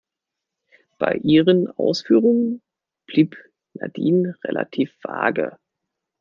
Bei ihren Ausführungen blieb Nadine relativ vage.